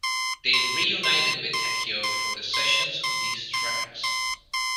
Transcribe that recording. They reunited with Tecchio for the sessions of these tracks.